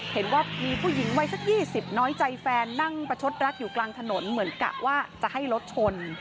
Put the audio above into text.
เห็นว่ามีผู้หญิงวัยสัก๒๐น้อยใจแฟนนั่งประชดรักอยู่กลางถนนเหมือนกะว่าจะให้รถชน